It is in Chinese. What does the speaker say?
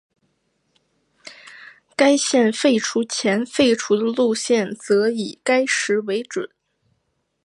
该线废除前废除的路线则以该时为准。